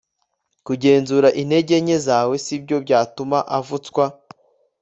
kugenzura intege nke zawe sibyo byatuma avutswa